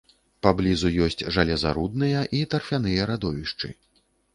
Паблізу ёсць жалезарудныя і тарфяныя радовішчы.